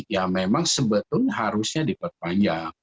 ya memang sebetulnya harusnya diperpanjang